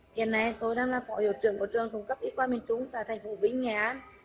hiện nay tôi đang là phỏ hiệu trưởng của trường trung cấp y quan miền trung tại thành phố vĩnh nghé